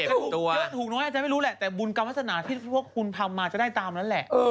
ก็ถูกเยอะถูกน้อยอาจจะไม่รู้แหละแต่บุญกรรมพัฒนาที่พวกคุณทำมาจะได้ตามนั้นแหละ